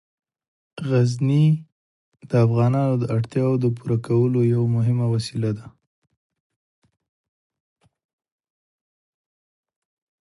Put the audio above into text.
غزني د افغانانو د اړتیاوو د پوره کولو یوه مهمه وسیله ده.